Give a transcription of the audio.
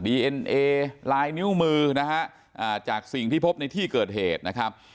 เอ็นเอลายนิ้วมือนะฮะอ่าจากสิ่งที่พบในที่เกิดเหตุนะครับ